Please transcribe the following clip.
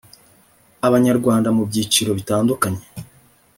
abanyarwanda mu byiciro bitandukanye